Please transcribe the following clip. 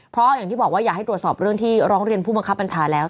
เพราะอย่างที่บอกว่าอยากให้ตรวจสอบเรื่องที่ร้องเรียนผู้บังคับบัญชาแล้ว